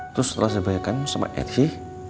terus setelah saya baikan sama esy